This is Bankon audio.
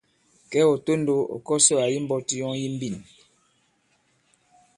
Kɛ̌ ɔ̀ tondow, ɔ̀ kɔsɔ àyi mbɔti yɔŋ yi mbîn.